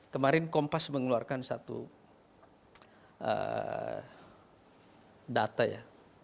kemarin kompas mengeluarkan satu data ya